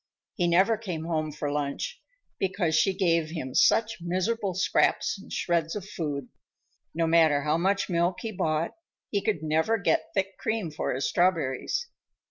He never came home for lunch, because she gave him such miserable scraps and shreds of food. No matter how much milk he bought, he could never get thick cream for his strawberries.